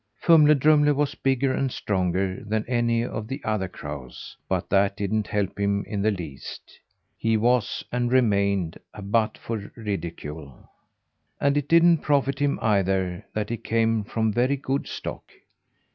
Fumle Drumle was bigger and stronger than any of the other crows, but that didn't help him in the least; he was and remained a butt for ridicule. And it didn't profit him, either, that he came from very good stock.